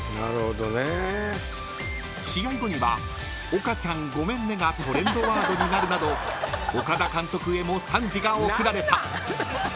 ［試合後には「岡ちゃんごめんね」がトレンドワードになるなど岡田監督へも賛辞が贈られた］